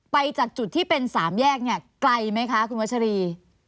จากจุดที่เป็นสามแยกเนี่ยไกลไหมคะคุณวัชรี